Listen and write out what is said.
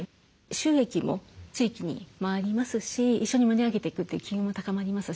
収益も地域に回りますし一緒に盛り上げていくという機運も高まりますし。